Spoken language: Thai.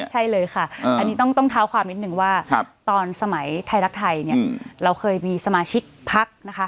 ใช่เลยค่ะอันนี้ต้องเท้าความนิดนึงว่าตอนสมัยไทยรักไทยเนี่ยเราเคยมีสมาชิกพักนะคะ